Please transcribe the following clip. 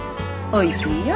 おいしいよ。